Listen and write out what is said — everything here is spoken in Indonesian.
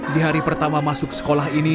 di hari pertama masuk sekolah ini